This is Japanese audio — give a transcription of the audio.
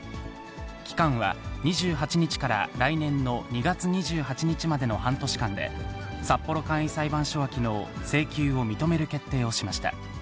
期間は２８日から来年の２月２８日までの半年間で、札幌簡易裁判所はきのう、請求を認める決定をしました。